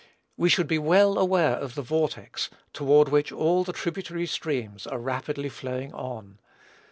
We should be well aware of the vortex, toward which all the tributary streams are rapidly flowing on.